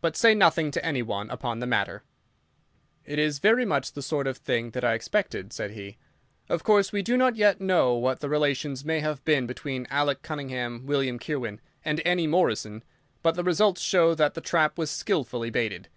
But say nothing to anyone upon the matter "It is very much the sort of thing that I expected," said he. "Of course, we do not yet know what the relations may have been between Alec Cunningham, William Kirwan, and Annie Morrison. The results shows that the trap was skillfully baited.